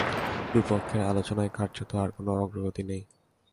দুই পক্ষের আলোচনায় কার্যত আর কোনো অগ্রগতি নেই।